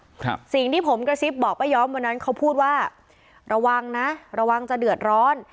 ครับสิ่งที่ผมกระซิบบอกป้ายอมวันนั้นเขาพูดว่าระวังนะระวังจะเดือดร้อน